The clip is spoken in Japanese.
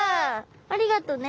ありがとうね。